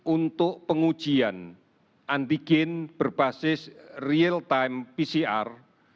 untuk pengujian antigen berbasis real time pcr